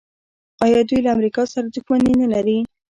آیا دوی له امریکا سره دښمني نلري؟